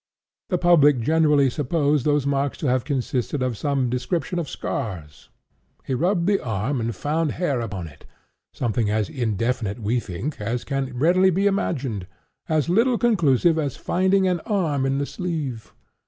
The public generally supposed those marks to have consisted of some description of scars. He rubbed the arm and found hair upon it—something as indefinite, we think, as can readily be imagined—as little conclusive as finding an arm in the sleeve.